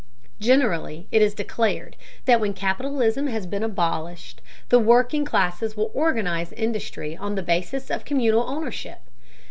Generally, it is declared that when capitalism has been abolished, the working classes will organize industry on the basis of communal ownership.